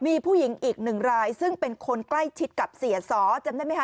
มีผู้หญิงอีกหนึ่งรายซึ่งเป็นคนใกล้ชิดกับเสียสอจำได้ไหมคะ